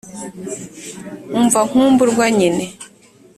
umva nkumburwa nyine